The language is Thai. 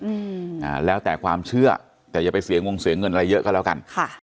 อืมอ่าแล้วแต่ความเชื่อแต่อย่าไปเสียงงงเสียเงินอะไรเยอะก็แล้วกันค่ะ